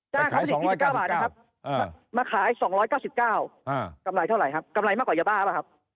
อ่ามาขาย๒๙๙บาทนะครับมาขาย๒๙๙กำไรเท่าไหร่ครับกำไรมากกว่าเยอะบ้าป่ะครับ